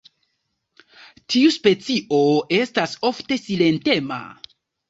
Tiu specio estas ofte silentema.